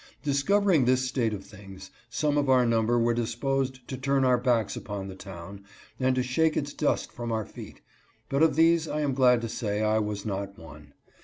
Discovering this state of things, some of our number were disposed to turn our backs upon the town and to shake its dust from our feet, but of these, I am glad to say, I was not one.